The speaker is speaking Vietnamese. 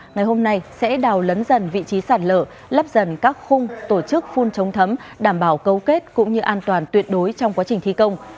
ngày hôm nay sẽ đào lấn dần vị trí sạt lở lấp dần các khung tổ chức phun chống thấm đảm bảo cấu kết cũng như an toàn tuyệt đối trong quá trình thi công